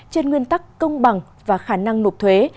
trên nguyên tắc công bằng và khả năng nộp thuế